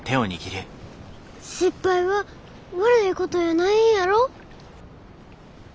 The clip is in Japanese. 失敗は悪いことやないんやろ？